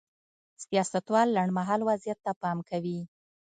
سیاستوال لنډ مهال وضعیت ته پام کوي.